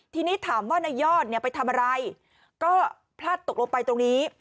ทีนี้ถามว่านายยอดเนี่ยไปทำอะไรก็พลาดตกลงไปตรงนี้